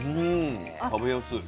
食べやすい。